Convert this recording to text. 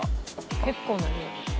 結構な量。